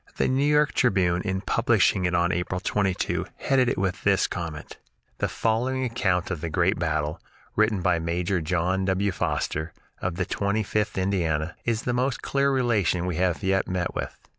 The "New York Tribune," in publishing it on April 22, headed it with this comment: "The following account of the great battle, written by Major John W. Foster, of the Twenty fifth Indiana, is the most clear relation we have yet met with."